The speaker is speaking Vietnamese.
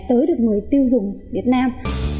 tới được người tiêu dùng việt nam